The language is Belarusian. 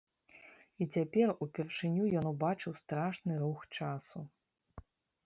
І цяпер упершыню ён убачыў страшны рух часу.